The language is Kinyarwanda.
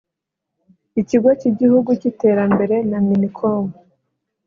Ikigo cy’Igihugu cy’iterambere na Minicom